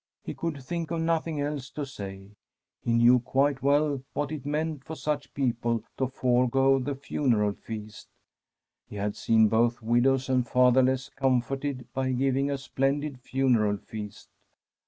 He could think of nothing else to say. He I306I Tki PEACE 0f GOD knew quite well what it meant for such people to forego the funeral feast. He had seen both wid ows and fatherless comforted by giving a splendid funeral feast.